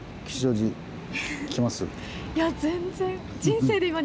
いや全然。